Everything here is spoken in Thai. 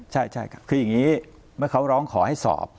ใช่ครับคืออย่างนี้เมื่อเขาร้องขอให้สอบ